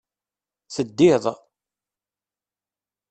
Teddiḍ.